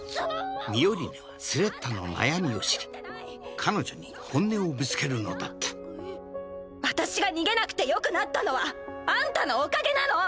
ミオリネはスレッタの悩みを知り彼女に本音をぶつけるのだった私が逃げなくてよくなったのはあんたのおかげなの！